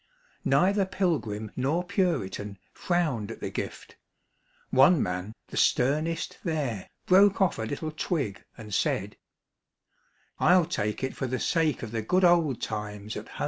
Neither Pilgrim nor Puritan frowned at the gift. One man, the sternest there, broke off a little twig and said: "I'll take it for the sake of the good old times at home."